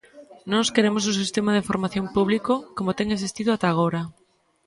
Nós queremos un sistema de formación público, como ten existido ata agora.